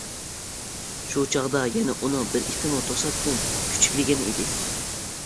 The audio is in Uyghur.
شۇ چاغدا يەنە ئۇنىڭ بىر ئىتىمۇ توساتتىن كۈچۈكلىگەن ئىدى.